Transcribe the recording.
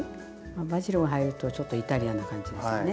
バジルが入るとちょっとイタリアンな感じですよね。